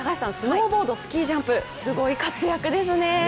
スノーボード、スキージャンプ、すごい活躍ですね。